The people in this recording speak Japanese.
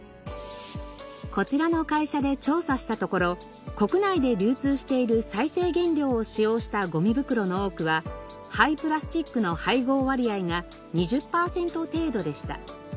こちらの会社で調査したところ国内で流通している再生原料を使用したごみ袋の多くは廃プラスチックの配合割合が２０パーセント程度でした。